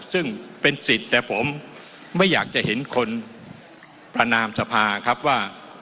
ซึ่งเป็นสิทธิ์แต่ผมไม่อยากจะเห็นคนประนามสภาครับว่า